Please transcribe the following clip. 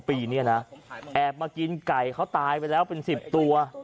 ปีเนี่ยนะแอบมากินไก่เขาตายไปแล้วเป็น๑๐ตัว